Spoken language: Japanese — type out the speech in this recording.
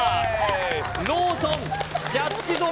ローソンジャッジ初め